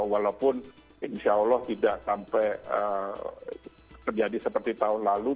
walaupun insya allah tidak sampai terjadi seperti tahun lalu